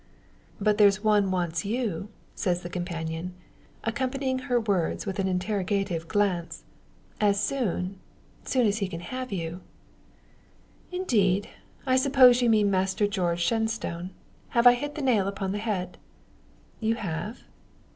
"But there's one wants you," says the companion, accompanying her words with an interrogative glance. "And soon soon as he can have you." "Indeed! I suppose you mean Master George Shenstone. Have I hit the nail upon the head?" "You have."